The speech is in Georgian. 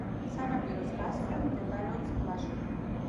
სანაპიროს გასწვრივ მდებარეობს პლაჟები.